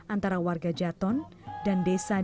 antara warga jaton dan desa disantoro